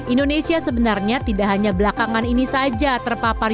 indonesia sebenarnya tidak hanya belakangan ini saja terpapar